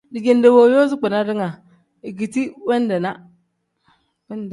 Dijinde wooyoozi kpina ringa ikendi wendeenaa.